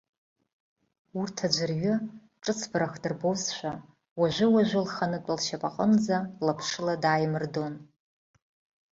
Урҭ аӡәырҩы, ҿыцбарах дырбозшәа, уажәыуажәы лханытә лшьапаҟынӡа лаԥшыла дааимырдон.